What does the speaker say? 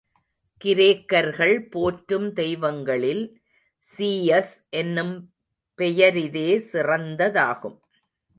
கிரேக்கர்கள் போற்றும் தெய்வங்களில் ஸீயஸ் என்னும் பெயரிதே சிறந்ததாகும்.